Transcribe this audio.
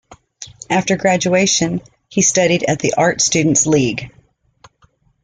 After graduation, he studied at the Art Students League.